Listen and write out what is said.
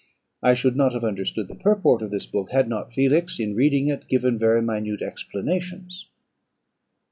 I should not have understood the purport of this book, had not Felix, in reading it, given very minute explanations.